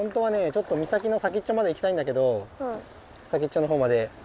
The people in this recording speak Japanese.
ちょっと岬の先っちょまで行きたいんだけど先っちょのほうまで。